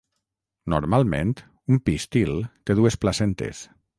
Normalment un pistil té dues placentes.